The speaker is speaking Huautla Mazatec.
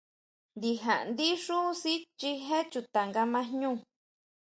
Ndija ndí xú sichijé chuta nga ma jñú.